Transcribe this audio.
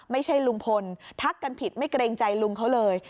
ไม่ใช่ลุงพลทักกันผิดไม่เกรงใจลุงเขาเลย